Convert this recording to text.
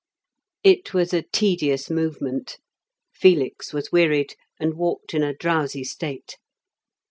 It was a tedious movement. Felix was wearied, and walked in a drowsy state.